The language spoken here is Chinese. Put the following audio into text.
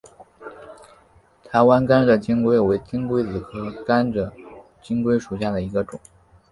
台湾甘蔗金龟为金龟子科甘蔗金龟属下的一个种。